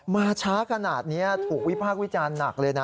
มาช้าขนาดนี้ถูกวิพากษ์วิจารณ์หนักเลยนะ